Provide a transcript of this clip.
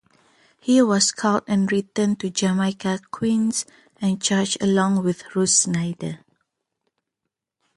He was caught and returned to Jamaica, Queens and charged along with Ruth Snyder.